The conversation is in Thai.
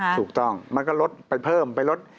ถูกต้องมันก็ลดไปเพิ่มไปลด